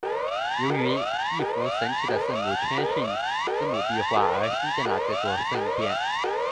由于一幅神奇的圣母谦逊之母壁画而兴建了这座圣殿。